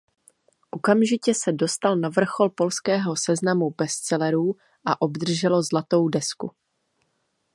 Okamžitě se dostal na vrchol polského seznamu bestsellerů a obdrželo zlatou desku.